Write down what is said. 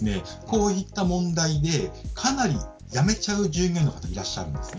こういった問題でかなり辞めちゃう従業員がいらっしゃるんです。